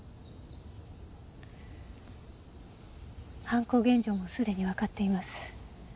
犯行現場も既にわかっています。